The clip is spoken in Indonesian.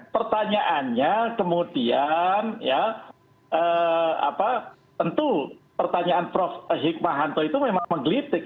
pertanyaannya kemudian ya tentu pertanyaan prof hikmahanto itu memang menggelitik